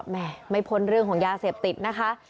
แม่ไม่พ้นเรื่องของยาเสพติดนะคะ